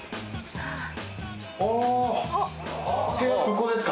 おここですか？